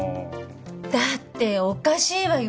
だっておかしいわよ。